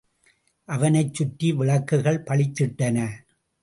அவனைச்சுற்றி விளக்குகள் பளிச்சிட்டன.